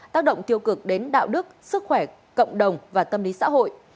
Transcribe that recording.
tác động tiêu cực đến đạo đức sức khỏe cộng đồng và tâm lý xã hội